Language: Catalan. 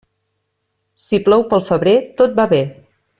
Si plou pel febrer, tot va bé.